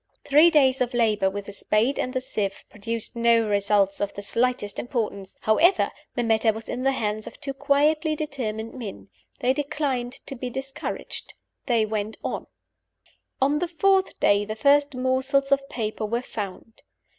Three days of labor with the spade and the sieve produced no results of the slightest importance. However, the matter was in the hands of two quietly determined men. They declined to be discouraged. They went on. On the fourth day the first morsels of paper were found.